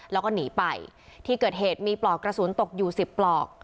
แล้วก็หนีไปที่เกิดเหตุมีปลอกกระสุนตกอยู่สิบปลอก